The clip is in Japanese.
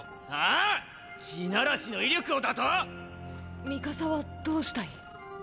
あぁ⁉「地鳴らし」の威力をだと⁉ミカサはどうしたい？